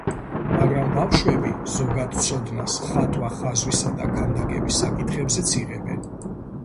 მაგრამ ბავშვები, ზოგად ცოდნას, ხატვა-ხაზვისა და ქანდაკების საკითხებზეც იღებენ.